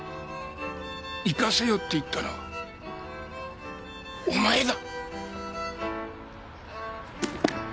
行かせようって言ったのはお前だ！